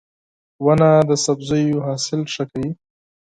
• ونه د سبزیو حاصل ښه کوي.